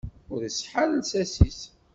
Ur iseḥḥa ara lsas-is.